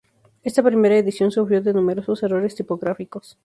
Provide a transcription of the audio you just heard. Esta primera edición sufrió de numerosos errores tipográficos.